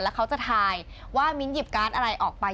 แล้วเขาจะทายว่ามิ้นหยิบการ์ดอะไรออกไป